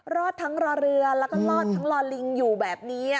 อดทั้งรอเรือแล้วก็รอดทั้งรอลิงอยู่แบบนี้